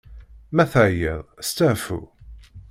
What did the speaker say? Ma teεyiḍ, steεfu!